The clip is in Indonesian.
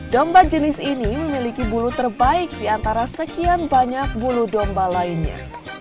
domba jenis ini memiliki bulu terbaik di antara sekian banyak bulu domba lainnya